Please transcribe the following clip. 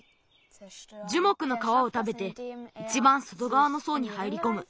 じゅもくのかわをたべていちばんそとがわのそうにはいりこむ。